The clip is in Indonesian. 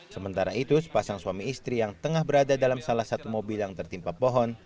sementara itu sepasang suami istri yang tengah berada dalam salah satu mobil yang tertimpa pohon